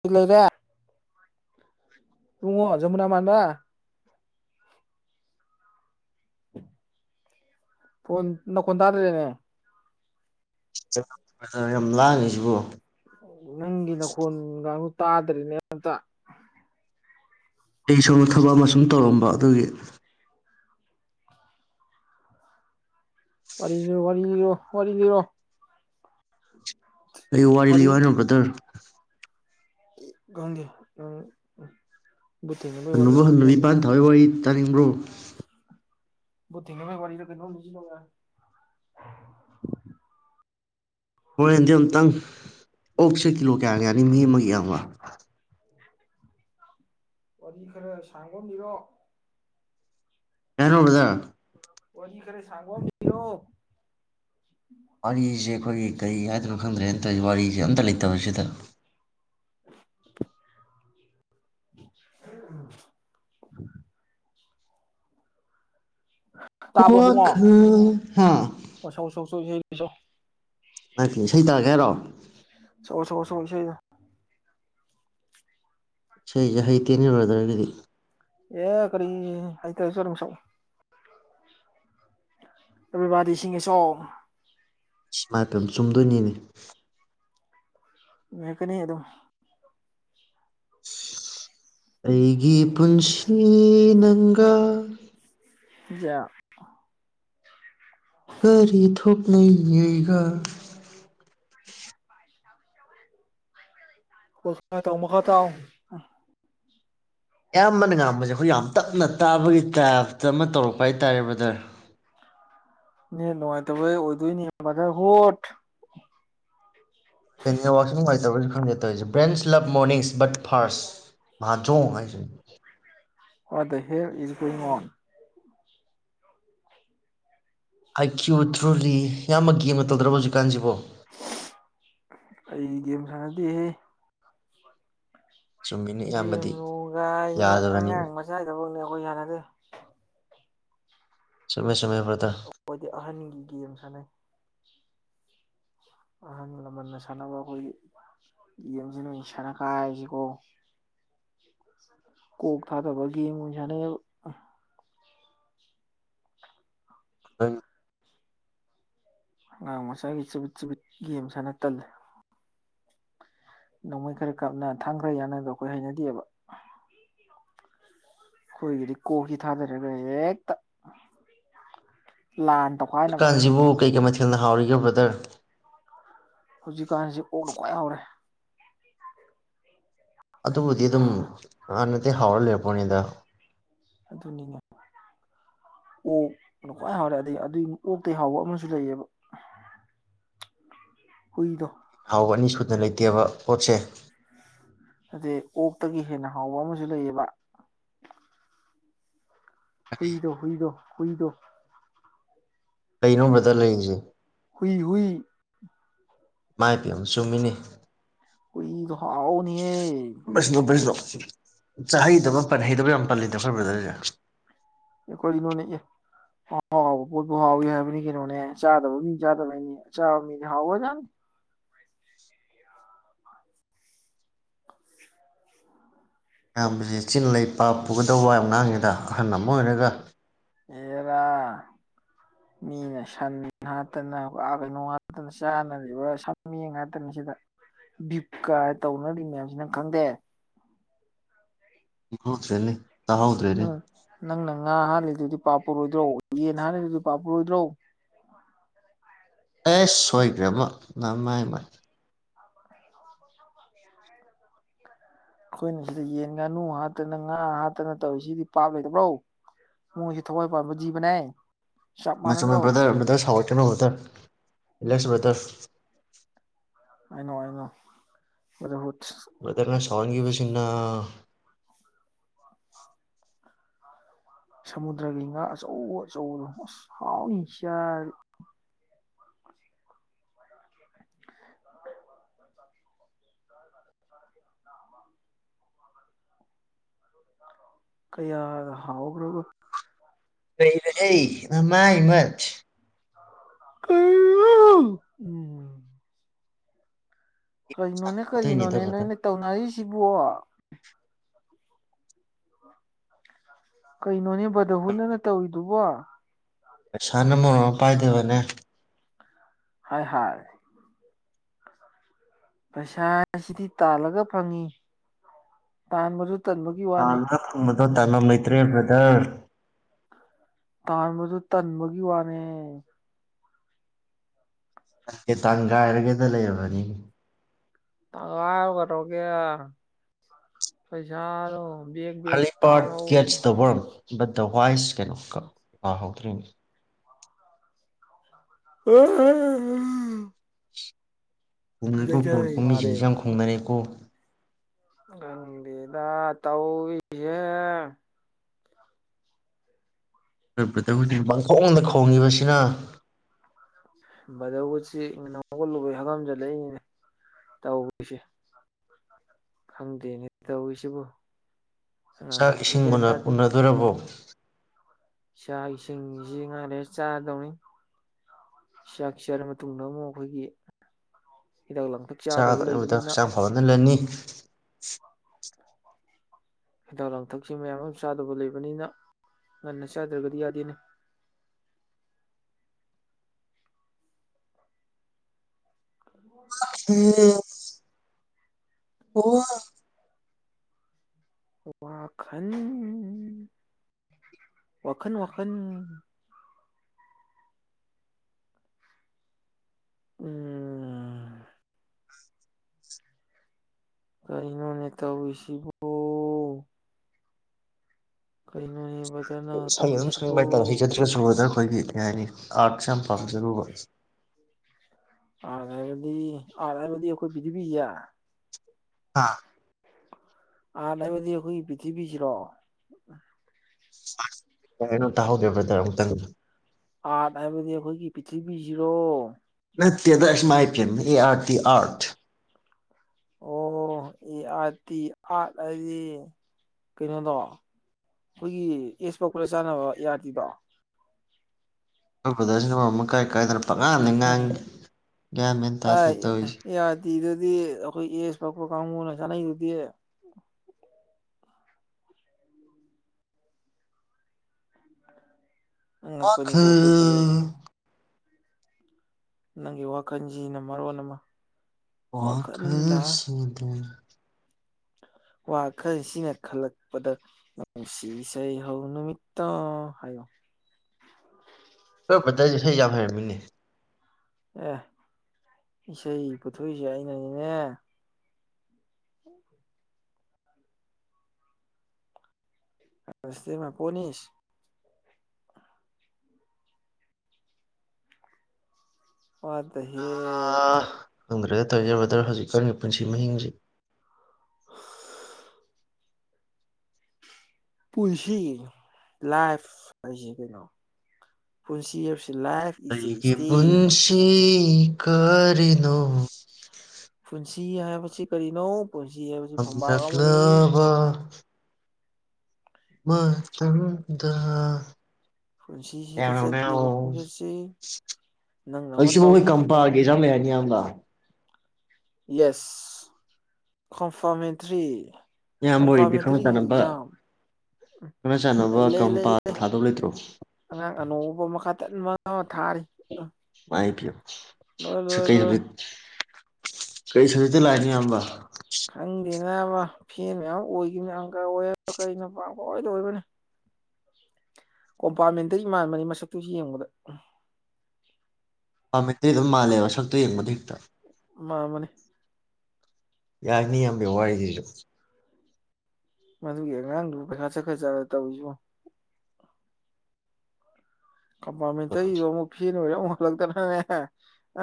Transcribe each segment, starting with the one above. ꯀꯩ ꯂꯩꯔꯦ ꯏꯕꯨꯡꯉꯣ ꯖꯃꯨꯅ ꯃꯥꯟꯕ ꯐꯣꯟ ꯅꯈꯣꯟ ꯇꯗꯔꯦꯅꯦ ꯌꯥꯝ ꯂꯥꯡꯑꯉꯤ ꯖꯤꯕꯣ ꯅꯪꯒꯤ ꯅꯈꯣꯟꯉꯥꯡꯉꯨ ꯇꯥꯗꯔꯤꯅꯦ ꯑꯝꯇ ꯑꯩꯁꯨ ꯊꯕꯛ ꯑꯃ ꯁꯨꯝ ꯇꯧꯔꯝ ꯑꯗꯨꯒꯤ ꯋꯥꯔꯤꯂꯤꯌꫭ ꯋꯥꯔꯤꯂꯤꯌꫭ ꯋꯥꯔꯤꯂꯤꯔꫭ ꯀꯩ ꯋꯥꯔꯤ ꯂꯤꯌꫭ ꯍꯥꯏ ꯅꯣ ꯕꯗꯔ ꯑꯩ ꯈꯪꯗꯦ ꯅꯪ ꯎꯝ ꯍꯅꯨꯕ ꯍꯅꯨꯕꯤ ꯄꯥꯟ ꯊꯥꯕꯩ ꯋꯥꯔꯤ ꯆꯥꯅꯤꯡꯕ꯭ꯔꯣ ꯕꯨꯠ ꯊꯦꯡꯅꯕꯩ ꯋꯥꯔꯤꯔ ꯀꯩꯅꯣꯝ ꯂꯤꯁꯜꯂꯛꯑꯣ ꯌꯥꯅꯤ ꯍꯣꯔꯦꯟꯗꯤ ꯑꯝꯇꯪ ꯑꯣꯛꯁꯦ ꯀꯤꯂꯣ ꯀꯌꯥꯒ ꯌꯥꯅꯤ ꯃꯤ ꯑꯃꯒꯤ ꯏꯌꯥꯝꯕ ꯋꯥꯔꯤ ꯈꯔ ꯁꯥꯡꯕ ꯑꯃ ꯂꯤꯔꯣ ꯀꯩꯅꯣ ꯕꯗꯔ ꯋꯥꯔꯤ ꯈꯔ ꯁꯥꯡꯕ ꯑꯝ ꯏꯔꯣ ꯋꯥꯔꯤꯁꯦ ꯑꯩꯈꯣꯏꯒꯤ ꯀꯔꯤ ꯍꯥꯏꯗ꯭ꯔꯣꯅ ꯈꯪꯗꯔꯦꯟ ꯇꯧꯏꯖꯦ ꯋꯥꯔꯤ ꯖꯦ ꯑꯝꯇ ꯂꯩ ꯇꯧꯏꯁꯤꯗ ꯎ ꯇꯥꯕ꯭ꯔꯣ ꯏꯕꯨꯡꯉꯣ ꯋꯥꯈꯜ ꯍ ꯄꯖꯣ ꯑꯩꯀꯤ ꯏꯁꯩ ꯇꯥꯒꯦ ꯍꯥꯏꯔꯣ ꯁꯛꯑꯣ ꯏꯁꯩꯗ ꯏꯁꯩ ꯖꯦꯥ ꯍꯩ ꯇꯦꯟꯅꯦ ꯚꯗ꯭ꯔꯒꯗꯤ ꯑꯦ ꯀꯔꯤ ꯑ ꯍꯩ ꯇꯔꯁꯨ ꯑꯗꯨꯝ ꯁꯛꯎ ꯑꯕꯤꯕꯥꯗꯤꯁꯤꯡ ꯑꯁꯨ ꯁꯃꯥꯏꯄꯦꯝꯃ ꯆꯨꯝꯗꯣꯏꯅꯤꯅꯦ ꯅꯩꯀꯅꯤ ꯑꯗꯨꯝ ꯑꯩꯒꯤ ꯄꯨꯟꯁꯤ ꯅꯪ ꯒ ꯌꯥ ꯀꯔꯤ ꯊꯣꯛꯅꯩ ꯌꯩꯒ [unintelligible] ꯃꯈꯥ ꯇꯥꯎ ꯑꯌꯥꯝꯕꯅ ꯉꯥꯡꯕꯁꯦ ꯑꯩꯈꯣꯏ ꯌꯥꯝ ꯇꯞꯅ ꯇꯥꯕꯒꯤ ꯇꯥꯏꯞꯇ ꯑꯃ ꯇꯧꯔꯛꯄ ꯍꯥꯏ ꯇꯥꯔꯦ ꯕ꯭ꯔꯗꯔ ꯏ ꯅꯨꯡꯉꯥꯏꯇꯕꯩ ꯑꯣꯏꯗꯣꯏꯅꯦ ꯕꯔ꯭ꯗꯔ ꯍꯣꯠ ꯅꯦꯋꯥꯔꯛꯁꯨ ꯅꯨꯡꯉꯥꯏꯇꯕꯩꯔꯁꯨ ꯈꯪꯗꯦ ꯇꯧꯔꯤꯁꯦ ꯕ꯭ꯔꯦꯟꯁ ꯂꯞ ꯃꯣꯔꯅꯤꯡꯁ ꯕꯠ ꯐꯥꯔꯁ [unintelligible] ꯍꯥꯏꯁꯦ ꯋꯥꯠ ꯗ ꯍꯦꯜ ꯢꯁ ꯒꯣꯏꯡ ꯑꯣꯟ ꯑꯥꯏ ꯀ꯭ꯌꯨ ꯊ꯭ꯔꯨꯂꯤ ꯏꯌꯥꯝꯕ ꯒꯦꯝꯅ ꯇꯧꯗ꯭ꯔꯕꯣ ꯍꯧꯖꯤꯛꯀꯥꯟꯁꯤꯕꯣ ꯑꯩ ꯒꯦꯝ ꯁꯥꯟꯅꯗꯦꯍꯦ ꯆꯨꯝꯃꯤꯅꯤ ꯒꯦꯝ ꯏꯌꯥꯝꯕꯗꯤ ꯅꯨꯡꯀꯥꯏꯅ ꯌꯥꯗꯕꯅꯤ ꯑꯉꯥꯡ ꯃꯆꯥꯒꯤ ꯊꯕꯛꯅꯦ ꯑꯣꯏ ꯌꯥꯅꯗ ꯆꯨꯝꯃꯦ ꯆꯨꯝꯃꯦ ꯕ꯭ꯔꯗꯔ ꯑꯩꯗꯤ ꯑꯍꯟꯒꯤ ꯒꯦꯝ ꯁꯥꯟꯅꯩ ꯑꯍꯜ ꯂꯃꯟꯅ ꯁꯥꯟꯅꯕ ꯑꯩꯈꯣꯏꯒꯤ ꯒꯦꯝꯁꯤꯅ ꯁꯥꯟꯅ ꯀꯥꯏ ꯍꯥꯏꯁꯤꯀꯣ ꯀꯣꯛ ꯊꯥꯗꯕ ꯒꯦꯝ ꯑꯣꯏꯅ ꯁꯥꯟꯅꯩꯌꯦꯕ ꯍ [inaudible] ꯑꯉꯥꯡ ꯃꯆꯥꯒꯤ ꯆꯕꯤꯠ ꯆꯕꯤꯠ ꯒꯦꯝ ꯁꯥꯟꯅꯥ ꯇꯜꯂꯦ ꯅꯣꯡꯃꯩ ꯈꯔ ꯀꯥꯞꯅ ꯊꯥꯡ ꯈ꯭ꯔ ꯌꯥꯅꯕꯗꯣ ꯑꯩꯈꯣꯏ ꯍꯩꯅꯗꯦꯕ ꯑꯩꯈꯣꯏꯒꯤꯗꯤ ꯀꯣꯛꯁꯤ ꯊꯥꯗꯔꯒ ꯍꯦꯛꯇ ꯂꯥꯟ ꯇꯧꯈꯥꯏꯅꯕ ꯨꯀꯥꯟꯁꯤꯕꯨ ꯀꯩꯀꯩ ꯃꯊꯦꯜꯅ ꯍꯥꯎꯔꯤꯒꯦ ꯕꯔ꯭ꯗꯔ ꯍꯧꯖꯤꯛꯀꯥꯟꯁꯤ ꯑꯣꯛꯅ ꯈ꯭ꯋꯥꯏ ꯍꯥꯎꯔꯦ ꯑꯗꯨꯕꯨꯗꯤ ꯑꯗꯨꯝ ꯍꯥꯎꯔ ꯂꯩꯔꯄꯣꯠꯅꯤꯗ ꯑꯗꯨꯅꯤꯅꯦ ꯑꯣꯛꯅ ꯈ꯭ꯋꯥꯏ ꯍꯥꯎꯔꯦ ꯑꯗꯩ ꯑꯗꯨꯒꯤ ꯑꯣꯛꯇꯒꯤ ꯍꯥꯎꯕ ꯑꯃꯁꯨ ꯂꯩꯌꯦꯕ ꯍꯨꯏꯗꯣ ꯑꯧ ꯑꯅꯤ ꯁꯨꯅ ꯂꯩꯇꯦꯕ ꯄꯣꯠꯁꯦ ꯅꯠꯇꯦ ꯑꯣꯛꯇꯒꯤ ꯍꯦꯟꯅ ꯍꯥꯎꯕ ꯑꯃꯁꯨ ꯂꯩꯌꯦꯕ ꯍꯨꯏꯗꯣ ꯍꯨꯏꯗꯣ ꯍꯨꯏꯗꯣ ꯀꯩꯅꯣ ꯕꯔ꯭ꯗꯔ ꯂꯩꯔꯤꯁꯦ ꯍꯨꯏ ꯍꯨꯏ ꯃꯥꯏ ꯄꯦꯝꯃ ꯆꯨꯝꯃꯤꯅꯤ ꯍꯨꯢꯗꯣ ꯍꯥꯎꯕꯅꯤꯍꯦ ꯕꯩꯁꯅꯣ ꯕꯩꯁꯅꯣ ꯆꯥꯍꯩꯗꯕ ꯄꯟꯍꯩꯗꯕ ꯌꯥꯝ ꯄꯜꯂꯤꯗ ꯈꯣꯏ ꯕꯔ꯭ꯗꯔ ꯁꯦ ꯑꯩ ꯀꯩꯅꯣꯅꯦ ꯑꯦ ꯍꯥꯎꯕ ꯄꯣꯠꯄꯨ ꯍꯥꯎꯋꯤ ꯍꯥꯏꯕꯅꯤ ꯀꯩꯅꯣꯅꯦ ꯆꯥꯗꯕ ꯃꯤ ꯆꯥꯗꯕꯩꯅꯤ ꯆꯥꯕ ꯃꯤꯗꯤ ꯍꯥꯎꯕꯖꯥꯠꯅꯤ ꯑꯌꯥꯝꯕꯁꯤ ꯆꯤꯟ ꯂꯩ ꯄꯥꯞ ꯄꯨꯒꯗꯕ ꯋꯥ ꯌꯥꯝ ꯅꯥꯡꯉꯤꯗ ꯑꯍꯜ ꯑꯃ ꯑꯣꯏꯔꯒ ꯑꯦꯔꯥ ꯃꯤꯅ ꯁꯟ ꯍꯥꯠꯇꯅꯥ ꯀꯩꯅꯣ ꯍꯥꯠꯇꯅ ꯆꯥꯅꯔꯤꯕ ꯁꯟꯃꯦ ꯍꯥꯠꯇꯅꯤ ꯁꯤꯗ ꯕꯤꯞꯀꯥꯏ ꯇꯧꯅꯔꯤ ꯃꯌꯥꯝꯁꯤ ꯅꯪ ꯈꯪꯗꯦ [unintelligible] ꯇꯥꯍꯧꯗꯔ꯭ꯦꯅꯦ ꯅꯪ ꯅꯪꯅ ꯉꯥ ꯍꯥꯠꯂꯤꯗꯨꯗꯤ ꯄꯥꯞ ꯄꯨꯔꯣꯏꯗꯔꯣ ꯌꯦꯟ ꯍꯥꯠꯂꯤꯗꯨꯗꯤ ꯄꯥꯞ ꯄꯨꯔꯣꯏꯗꯔꯣ ꯑꯦꯁ ꯁꯣꯏꯒ꯭ꯔꯦꯕꯣ ꯅꯃꯥꯏꯃꯠ ꯑꯩꯈꯣꯏꯅ ꯁꯤꯗ ꯌꯦꯟ ꯉꯥꯅꯨ ꯍꯥꯠꯇꯅ ꯉꯥ ꯍꯥꯠꯇꯅ ꯇꯧꯔꯤ ꯁꯤꯗꯤ ꯄꯥꯞ ꯂꯩꯇꯕ꯭ꯔꯣ ꯃꯣꯏꯁꯤ ꯊꯋꯥꯏ ꯄꯥꯟꯕ ꯖꯤꯕꯅꯦ ꯆꯞ ꯆꯨꯝꯃꯦ ꯃꯥꯟꯅꯗ꯭ꯔꯣ ꯕꯔ꯭ꯗꯔ ꯕꯔ꯭ꯗꯔ ꯁꯥꯎꯏ ꯀꯩꯅꯣꯕꯇꯔ ꯏꯂꯦꯛꯁ ꯕꯇꯔ ꯑꯩꯅ ꯑꯩꯅ ꯃꯅ ꯁꯥꯎꯡꯒꯤ ꯁ ꯁꯤꯅꯥ ꯁꯃꯨꯗ꯭ꯔꯒꯤ ꯉꯥ ꯑꯆꯧ ꯑꯆꯧ ꯑꯁ ꯍꯥꯎꯅꯤ ꯆ ꯀꯌꯥ ꯍꯥꯎ ꯂꯩ ꯍ ꯃꯥꯏ ꯃꯆ ꯎ ꯎꯝ ꯀꯅꯣꯅꯦ ꯁꯥꯎꯗꯣꯏꯅꯤꯗ ꯀꯅꯣꯅꯦ ꯕ꯭ꯔꯗꯔ ꯅꯣꯏꯅ ꯇꯧꯅꯔꯤꯁꯤ ꯁꯤꯕꯣ ꯀꯩꯅꯣꯅꯦ ꯕꯗ ꯍꯨꯟꯅꯅ ꯇꯧꯔꯤꯗꯨꯕꯣ ꯄꯩꯁꯥꯅ ꯃꯔꯝ ꯑꯃ ꯄꯥꯏꯗꯕꯅꯦ ꯍ ꯍ ꯄꯩꯁꯥꯁꯤꯗꯤ ꯇꯥꯜꯂꯒ ꯐꯪꯉꯤ ꯇꯥꯟꯕꯗꯨ ꯇꯟꯕꯒꯤ ꯋꯥꯅꯤ ꯑꯗꯣ ꯇꯥꯃꯝ ꯂꯩꯇ꯭ꯔꯦ ꯕ꯭ꯔꯗꯔ ꯇꯥꯟꯕꯗꯨ ꯇꯟꯕꯒꯤ ꯋꯥꯅꯦ ꯦ ꯇꯥꯡꯒꯥꯏꯔꯒꯦꯗ ꯂꯩꯔꯕꯅꯤ ꯇꯉ ꯈꯣꯒꯦ ꯄꯩꯁꯥ ꯑꯂꯤꯄꯥꯥꯔꯠ ꯀꯒꯦꯠꯁ ꯇꯧꯕ꯭ꯔꯝ ꯕꯠ ꯗ ꯋꯥꯏꯁ ꯀꯩꯅꯣ ꯀ ꯄꯍꯧꯗ꯭ꯔꯤꯅꯤ ꯎ [inaudible] ꯀꯨꯝꯩ ꯀ ꯄꯣꯠ ꯀꯨꯝ ꯃꯤꯖꯤꯤꯡꯁꯤ ꯌꯥꯝ ꯈꯣꯡꯅ ꯀꯣ ꯑꯪꯕꯤꯗꯥ ꯇꯧ ꯏ ꯍꯧꯖꯤꯛ ꯃꯥꯡꯈꯣꯡꯗ ꯈꯣꯡꯉꯤꯕꯁꯤꯅ ꯕꯗꯧꯒꯠꯁꯤ ꯅꯍꯧꯒꯠꯂꯨꯕꯩ ꯍꯪꯉꯝꯖꯤꯜꯂꯛꯏꯅꯤꯅꯦ ꯇꯧꯕꯣꯏꯁꯦ ꯈꯪꯗꯦꯅꯦ ꯇꯧꯋꯤꯁꯤꯕꯨ ꯆꯥꯛ ꯏꯁꯤꯡ ꯎꯅꯗꯣꯏꯔꯕꯣ [inaudible] ꯆꯥꯛ ꯏꯁꯤꯡꯁꯤ ꯉꯥꯡ ꯂꯩꯦ ꯆꯥꯗꯧꯅꯤ ꯆꯥꯛ ꯆꯥꯔꯕ ꯃꯇꯨꯡꯗ ꯑꯃꯨꯛ ꯑꯩꯈꯣꯏꯒꯤ ꯍꯤꯗꯥꯛ ꯂꯥꯡꯊꯛ ꯆꯥꯗꯕ ꯆꯥꯕꯗ ꯂꯩꯕꯅꯤꯅ ꯍꯛꯆꯥꯡ ꯐꯕꯅ ꯂꯩꯅꯤ ꯍꯤꯗꯥꯛ ꯂꯥꯡꯊꯛꯁꯤꯡ ꯃꯌꯥꯝ ꯑꯃ ꯆꯥꯗꯕ ꯂꯩꯕꯅꯤꯅ ꯉꯟꯅ ꯆꯥꯗ꯭ꯔꯒꯗꯤ ꯌꯥꯗꯦꯅꯦ ꯎꯝ ꯑꯣ ꯋꯥꯈ ꯋꯥꯈꯟ ꯋꯥꯈꯟ ꯎꯝ ꯀꯅꯣ ꯅꯠꯇ ꯑꯣꯏꯁꯤꯕ ꯀꯔꯤꯅꯣꯅꯦ ꯕꯗꯔꯅ ꯁꯒꯤ ꯑꯗꯨꯝ ꯇꯧꯔꯤꯁꯤꯕꯨ ꯁꯪꯅꯤꯡꯕ ꯍꯥꯏꯇꯥꯔꯦ ꯍꯖꯠꯇ꯭ꯔꯒ ꯁꯕꯗꯅ ꯑꯩꯈꯣꯏꯒꯤ ꯌꯥꯅꯤ ꯑꯥꯠ ꯁꯝ ꯐꯝꯖꯔꯕꯨꯕꯁ ꯑꯥꯗ ꯍꯧꯕꯗꯤ ꯑꯔꯠ꯭ ꯍꯧꯕꯗꯤ ꯑꯩꯈꯣꯏ ꯄꯤꯊꯤꯕꯤꯁꯦ ꯑꯥ ꯑꯥ ꯍꯥꯏꯕꯗꯤ ꯑꯩꯈꯣꯏꯒꯤ ꯄꯤꯊꯤꯕꯤꯁꯤꯔꯣ ꯀꯔꯤ ꯍꯥꯏꯔꯤꯅꯣ ꯇꯥꯍꯧꯗꯔ꯭ꯦ ꯕꯔꯗꯔ ꯑꯃꯨꯛꯇꯪꯒ ꯑꯥꯔꯠ ꯍꯥꯏꯕꯗꯤ ꯑꯩꯈꯣꯏꯒꯤ ꯄꯤꯔꯤꯊꯤꯔꯤꯕꯕꯤꯁꯤꯔꯣ ꯅꯇꯦꯗ ꯑꯦꯃꯥꯏ ꯄꯦꯃꯥ ꯑꯥꯔꯠ꯭ ꯑꯔꯠ ꯑꯣ ꯑꯦ ꯑꯥꯔ ꯇꯤ ꯑꯥꯠ ꯍꯥꯏꯗꯤ ꯀꯩꯅꯣꯗꯣ ꯑꯩꯈꯣꯏꯒꯤ ꯑꯦꯁꯄꯣꯛꯄꯂ ꯆꯥꯟꯅꯕ ꯑꯦ ꯑꯥꯔ ꯇꯤꯗꯣ ꯑꯈꯣꯏ ꯕꯔ꯭ꯗꯔꯁꯤꯟ ꯃꯔꯣꯜ ꯑꯃꯥ ꯀꯩ ꯀꯩ ꯗꯩꯅꯣ ꯃꯦꯟ ꯑ ꯇꯥꯗꯦ ꯇꯧꯔꯤꯁꯦ ꯌꯥꯗꯤꯤꯗꯗꯤ ꯑꯩꯈꯣꯏ ꯑꯦꯁ ꯄꯛꯄ ꯀꯥꯡꯕꯨꯅ ꯁꯥꯟꯅꯩꯗꯨꯗꯤ ꯑꯉꯛꯄꯅꯤ ꯋꯥꯈꯜ ꯀꯣ ꯀꯣꯏ ꯕꯗꯔ ꯅꯪꯒꯤ ꯋꯥꯈꯜꯁꯤꯅ ꯃꯔꯣꯟ ꯑꯃ ꯋꯥꯈ ꯋꯥꯈꯟꯗ ꯁꯤꯗ ꯋꯥꯈꯜꯁꯤꯅ ꯈꯜꯂꯛꯄꯗ ꯅꯨꯡꯁꯤ ꯏꯁꯩ ꯍꯧ ꯅꯨꯃꯤꯠꯇ ꯍꯥꯏꯌꯣ ꯑꯈꯣꯏ ꯕꯗꯦꯔꯁꯤ ꯏꯁꯩ ꯌꯥꯝ ꯍꯩꯔꯝꯃꯤꯅꯦ ꯑꯦ ꯏꯁꯩ ꯄꯨꯊꯣꯛꯏꯁꯦ ꯑꯩꯅꯅꯤꯅꯦ ꯎ ꯑꯁ ꯃꯥ ꯄꯣꯏꯟ ꯋꯥꯗ ꯋ꯭ꯗ ꯗ ꯍꯦꯂ ꯐꯪꯗ꯭ꯔꯦꯒ ꯇꯧꯖꯕꯗ ꯍꯧꯖꯤꯛꯀꯥꯟꯒꯤ ꯄꯨꯟꯁꯤ ꯃꯍꯤꯡꯁꯦ ꯄꯨꯟꯁꯤ ꯂꯥꯏꯐ ꯍꯥꯏꯁꯦ ꯀꯩꯅꯣ ꯄꯨꯟꯁꯤ ꯍꯥꯏꯕꯁꯤ ꯂꯥꯏꯐ ꯏꯁ ꯑꯦ ꯑꯩꯒꯤ ꯄꯨꯟꯁꯤ ꯁ꯭ꯇꯦꯖ ꯀꯔꯤꯅꯣ ꯄꯨꯟꯁꯤ ꯍꯥꯏꯕꯁꯤ ꯀꯔꯤꯅꯣ ꯄꯨꯟꯁꯤ ꯍꯥꯏꯕꯁꯤ ꯐꯝꯕꯥꯛ [unintelligible] ꯑꯃꯅꯤ ꯂꯕ ꯃꯇꯝꯗ ꯄꯨꯟꯁꯤꯁꯤꯗ ꯆꯠꯂꯤꯕ ꯈꯣꯡꯆꯠꯁꯤ ꯅꯪꯅ ꯑꯃ ꯍꯧꯖꯤꯛꯁꯤꯕꯨ ꯃꯣꯏ ꯇꯧꯅꯤ ꯑꯃ ꯀꯝꯄꯥꯒꯤ ꯇꯧꯅꯤ ꯑꯦꯛꯖꯥꯝ ꯂꯩ ꯍꯥꯏꯅꯤ ꯏꯌꯥꯝꯕ ꯌꯦꯁ ꯀꯣꯟꯐꯔꯃꯦꯟꯇꯔꯤ ꯏꯌꯥꯝꯕ ꯑꯣꯏꯔꯗꯤ ꯈꯪꯅ ꯆꯥꯟꯅꯕ ꯈꯪꯅ ꯆꯥꯟꯅꯕ ꯂꯩ ꯂꯩ ꯂꯩ ꯀꯝꯄꯥ ꯊꯥꯗꯧ ꯂꯩꯇ꯭ꯔꯣ ꯑꯉꯥꯡ ꯑꯅꯧꯕ ꯃꯈꯥ [unintelligible] ꯊꯥꯔꯤ ꯑ ꯃꯥꯏ ꯄꯤꯌꯣ ꯂꯣꯏ ꯂꯣꯏ ꯀꯩ ꯂꯣꯏ ꯁꯕꯖꯦꯛ ꯀꯩ ꯁꯨꯚꯦꯛꯠ ꯂꯥꯛꯑꯦꯅꯣ ꯌꯥꯝꯕ ꯈꯪꯗꯦ ꯅꯥꯕ ꯐꯦꯟ ꯃꯌꯥꯝ ꯑꯣꯏꯈꯤꯕꯅꯤ ꯑꯪꯀ ꯑꯣꯏ ꯀꯩꯅ ꯄ ꯑꯣꯏꯗ ꯑꯣꯏꯕꯅꯦ ꯀꯣꯝꯄꯥꯃꯦꯟꯇꯔꯤ ꯃꯥꯟꯕꯅꯤ ꯃꯁꯛꯇꯨ ꯌꯦꯡꯕꯗ ꯄꯥꯃꯦꯟꯇꯔꯤ ꯑꯗꯨꯝ ꯃꯥꯜꯂꯦꯕ ꯁꯛꯇꯨ ꯌꯦꯡꯕꯗ ꯍꯦꯛꯇ ꯃꯥ ꯃꯟꯕꯅꯤ ꯌꯥꯅꯤ ꯌꯥꯝꯝꯕꯦ ꯋꯥꯔꯤꯁꯤꯁꯨ ꯃꯗꯨꯒꯤ ꯑꯉꯥꯡꯗꯨ ꯄꯩꯁꯥ ꯆꯠꯈꯠ ꯆꯠꯔ ꯇꯧꯔꯤꯁꯤꯕꯣ ꯀꯝꯄꯥꯃꯦꯟꯇꯇꯔꯤꯗꯨ ꯋꯥꯔꯤꯁꯤꯁꯨ ꯑꯃꯨꯛ ꯐꯦꯅ ꯑꯣꯏꯔ ꯑꯃꯨꯛ [unintelligible]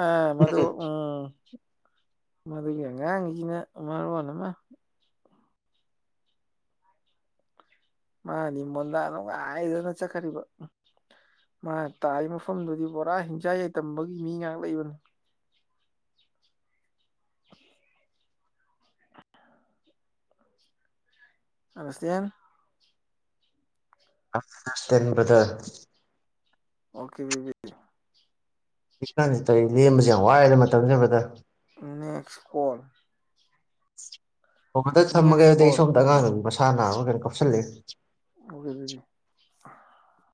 ꯑ ꯃꯗꯨ ꯎꯝ ꯃꯗꯨꯒꯤ ꯑꯉꯥꯡꯒꯤꯁꯤꯅ ꯃꯔꯣꯟ ꯑꯃ ꯃꯥꯗꯤ ꯃꯣꯟꯗꯥ ꯅꯨꯡꯉꯥꯏꯗꯅ ꯆꯠꯈ꯭ꯔꯤꯕ ꯃꯥꯅ ꯇꯥꯔꯤ ꯃꯐꯝꯗꯨꯗꯤ ꯄꯨꯔꯥ ꯍꯤꯡꯆꯥꯏ ꯌꯥꯏꯇꯝꯕꯒꯤ ꯃꯤ ꯉꯥꯛ ꯂꯩꯕꯅꯤ ꯑꯟꯗꯁꯇꯦꯟ [unintelligible] ꯑꯣꯀꯦ ꯕꯦꯕꯤ [unintelligible] ꯂꯦꯝꯕꯁꯤ ꯌꯥꯝ ꯋꯥꯔꯦꯗ ꯃꯇꯝꯁꯤ ꯕꯗꯔ ꯅꯦꯛꯁ ꯀꯣꯜ [unintelligible] ꯍꯣ ꯕꯥꯗꯔ ꯊꯝꯃꯒꯦ ꯅꯦꯛꯁ ꯑꯗꯨꯗꯤ ꯀꯣꯜ ꯁꯣꯝꯗ ꯑꯉꯥꯡ ꯎꯝ ꯅꯨꯕꯤ ꯃꯁꯥ ꯅꯥꯕ ꯀꯩꯅꯣ [unintelligible] [unintelligible]